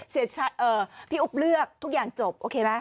พี่อุ๊บเลือกทุกอย่างจบโอเคไหม